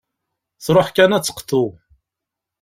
Truḥ kan ad d-teqḍu.